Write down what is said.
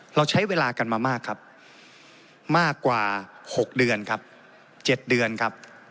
เราใช้เวลากันมามากครับมากกว่า๖เดือนครับ๗เดือนครับ